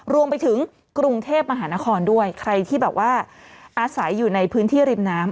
รวมไปถึงกรุงเทพมหานครด้วยใครที่แบบว่าอาศัยอยู่ในพื้นที่ริมน้ำ